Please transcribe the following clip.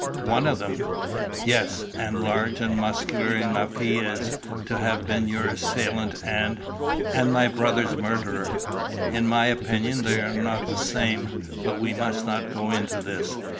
"One of them?" "Yes. And large and muscular enough he is, to have been your assailant, and " "And my brother's murderer?" "In my opinion they are not the same. But we must not go into this.